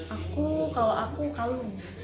aku kalau aku kalung